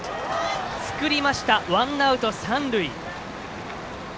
作りました、ワンアウト、三塁。